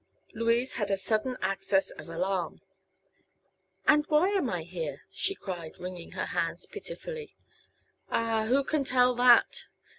Louise had a sudden access of alarm. "And why am I here?" she cried, wringing her hands pitifully. "Ah, who can tell that?"